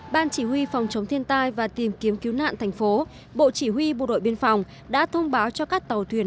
ban chỉ huy phòng chống thiên tai và tìm kiếm cứu nạn thành phố bộ chỉ huy bộ đội biên phòng đã thông báo cho các tàu thuyền